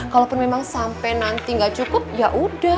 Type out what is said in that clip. kalaupun memang sampai nanti nggak cukup ya udah